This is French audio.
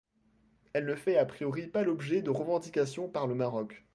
Elle ne fait a priori pas l'objet de revendication par le Maroc.